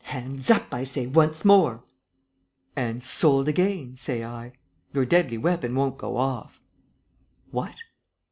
"Hands up, I say, once more!" "And sold again, say I. Your deadly weapon won't go off." "What?"